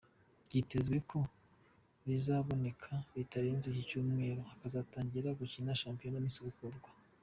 Byitezwe ko bizaboneka bitarenze iki cyumweru akazatangira gukina shampiyona nisubukurwa.